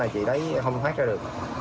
chị đấy không thoát ra được